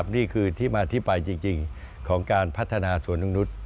นี่คือที่มาที่ไปจริงของการพัฒนาสวนนุ่งนุษย์